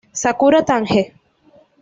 Sakura Tange